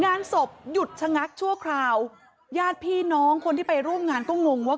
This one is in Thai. งานศพหยุดชะงักชั่วคราวญาติพี่น้องคนที่ไปร่วมงานก็งงว่า